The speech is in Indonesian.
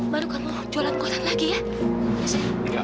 baru kamu jualan koran lagi ya